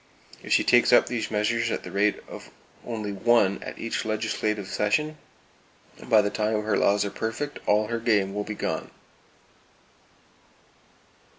If she takes up these measures at the rate of only one at each legislative session, by the time her laws are perfect all her game will be gone!